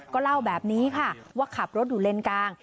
ก็เล่าแบบนี้ค่ะว่าขับรถอยู่เลนกลาง